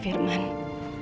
terima kasih ibu